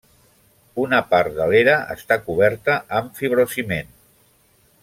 Una part de l'era està coberta amb fibrociment.